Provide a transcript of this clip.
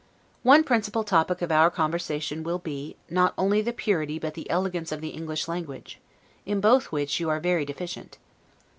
One principal topic of our conversation will be, not only the purity but the elegance of the English language; in both which you are very deficient.